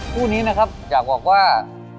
คู่นี้นะครับอยากบอกว่า